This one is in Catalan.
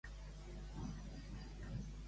Dir-l'hi per motiu.